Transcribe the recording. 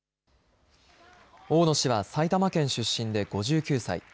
大野氏は埼玉県出身で５９歳。